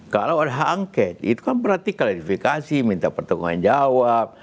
kalau ada hak angket itu kan berarti klarifikasi minta pertanggungan jawab